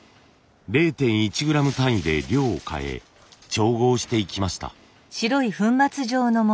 ０．１グラム単位で量を変え調合していきました。